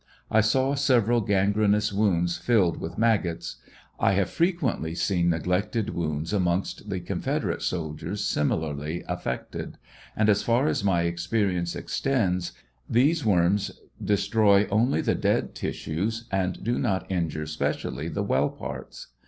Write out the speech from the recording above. I saw several gangrenous wounds filled with maggots. I have frequently seen neglected wounds amongst the Confederate soldiers similarly affected; and as far as my experience extends, these worms destroy only the dead tissues and do not injure specially the well parts.